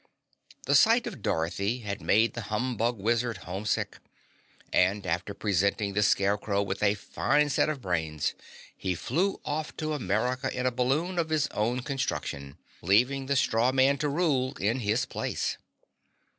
The sight of Dorothy had made the humbug wizard homesick, and after presenting the Scarecrow with a fine set of brains, he flew off to America in a balloon of his own construction, leaving the straw man to rule in his place.